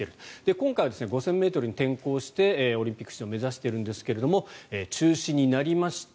今回は５０００ｍに転向してオリンピック出場を目指しているんですけど中止になりました。